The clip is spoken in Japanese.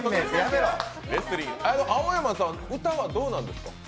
青山さん、歌はどうなんですか？